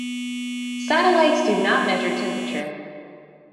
Satellites do not measure temperature.